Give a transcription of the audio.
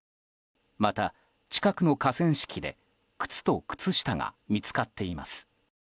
また、近くの河川敷で靴と靴下が見つかっています。